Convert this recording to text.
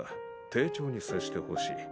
丁重に接してほしい。